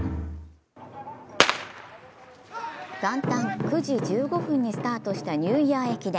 元旦９時１５分にスタートしたニューイヤー駅伝。